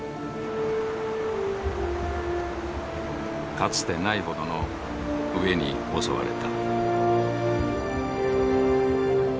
かつてないほどの飢えに襲われた。